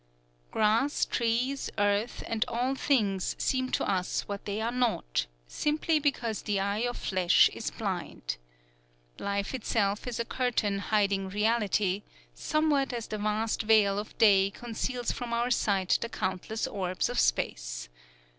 Grass, trees, earth, and all things seem to us what they are not, simply because the eye of flesh is blind. Life itself is a curtain hiding reality, somewhat as the vast veil of day conceals from our sight the countless orbs of Space.